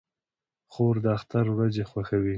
خور د اختر ورځې خوښوي.